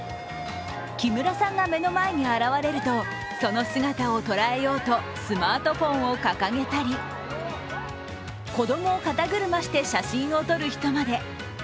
木村さんが目の前に現れると、その姿を捉えようとスマートフォンを掲げたり、子供を肩車して写真を撮る人まで。